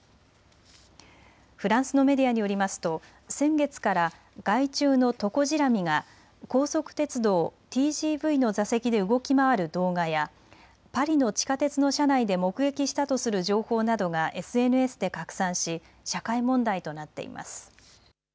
フランスのメディアによりますと先月から害虫のトコジラミが高速鉄道ＴＧＶの座席で動き回る動画やパリの地下鉄の車内で目撃したとする情報などがＳＮＳで拡散し社会問題となっています。